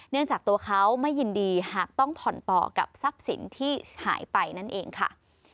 จากตัวเขาไม่ยินดีหากต้องผ่อนต่อกับทรัพย์สินที่หายไปนั่นเองค่ะ